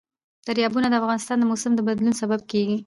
دریابونه د افغانستان د موسم د بدلون سبب کېږي.